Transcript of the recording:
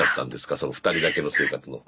その２人だけの生活の。